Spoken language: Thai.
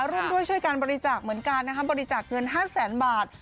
ร่วมด้วยช่วยการบริจาคเหมือนกันนะครับบริจาคเงิน๕แสนบาท